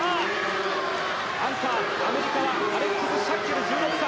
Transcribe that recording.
アンカー、アメリカはアレックス・シャッケル１６歳。